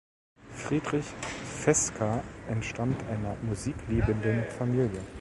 Friedrich Fesca entstammt einer musikliebenden Familie.